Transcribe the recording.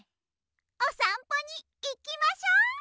おさんぽにいきましょ！